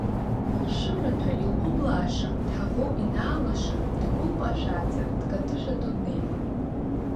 Лшәымаҭәа илҟәыблааша, ҳаӷоу инаалаша, дагәылпашәааӡа, дкатышәато днеиуан.